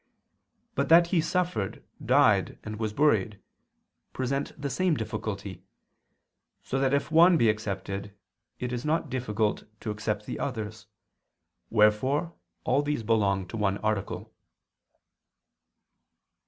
But that He suffered, died and was buried, present the same difficulty, so that if one be accepted, it is not difficult to accept the others; wherefore all these belong to one article.